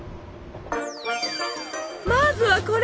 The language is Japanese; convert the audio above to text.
まずはこれ！